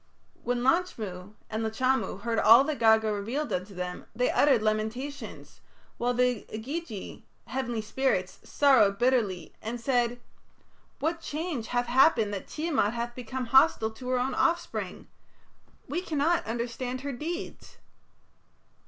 When Lachmu and Lachamu heard all that Gaga revealed unto them they uttered lamentations, while the Igigi (heavenly spirits) sorrowed bitterly, and said: "What change hath happened that Tiamat hath become hostile to her own offspring? We cannot understand her deeds."